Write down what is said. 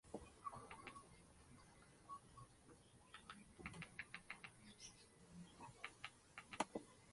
Los datos biográficos presuntamente conservados estiman que en su casa arraigó su doctrina hedonista.